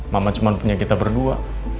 mama cuma punya kita berdua